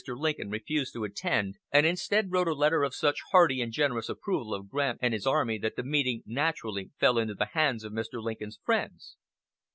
Lincoln refused to attend, and instead wrote a letter of such hearty and generous approval of Grant and his army that the meeting naturally fell into the hands of Mr. Lincoln's friends.